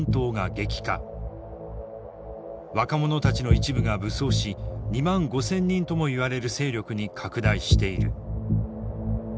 若者たちの一部が武装し２万５，０００人ともいわれる勢力に拡大している。